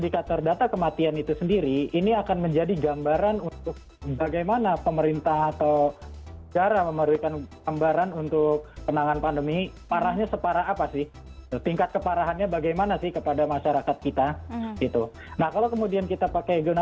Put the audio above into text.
karena jangan sampai dalam tanggal